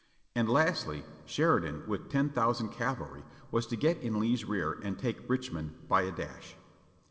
And lastly, Sheridan with ten thousand cavalry was to get in Lee's rear and take Richmond by a dash.